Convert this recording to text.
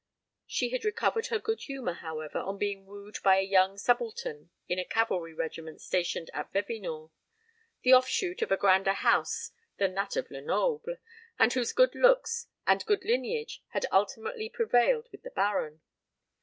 She had recovered her good humour, however, on being wooed by a young subaltern in a cavalry regiment stationed at Vevinord, the offshoot of a grander house than that of Lenoble, and whose good looks and good lineage had ultimately prevailed with the Baron.